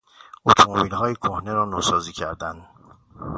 اتومبیلهای کهنه را نوسازی کردن